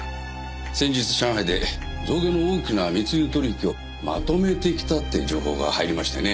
先日上海で象牙の大きな密輸取引をまとめてきたって情報が入りましてね。